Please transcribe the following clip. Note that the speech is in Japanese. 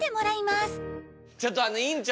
ちょっとあの院長。